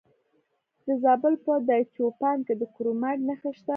د زابل په دایچوپان کې د کرومایټ نښې شته.